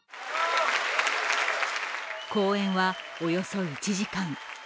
公演は、およそ１時間。